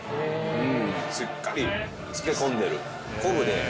しっかり漬け込んでる。